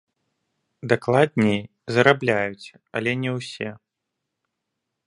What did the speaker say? Дакладней, зарабляюць, але не ўсе.